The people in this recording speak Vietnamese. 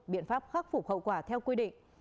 biện pháp khắc phục hậu quả theo quy định